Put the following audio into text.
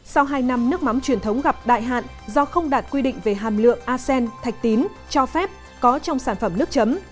sau hai năm nước mắm truyền thống gặp đại hạn do không đạt quy định về hàm lượng acen thạch tín cho phép có trong sản phẩm nước chấm